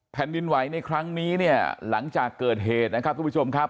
แผ่นดินไหวในครั้งนี้เนี่ยหลังจากเกิดเหตุนะครับทุกผู้ชมครับ